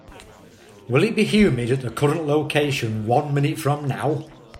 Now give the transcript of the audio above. Will it be humid at the current location one minute from now?